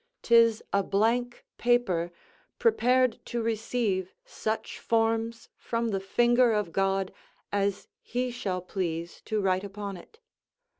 'Tis a blank paper prepared to receive such forms from the finger of God as he shall please to write upon it.